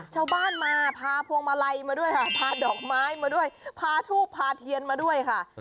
ชาวบ้านมาพาพวงมาลัยมาด้วยค่ะพาดอกไม้มาด้วยพาทูบพาเทียนมาด้วยค่ะ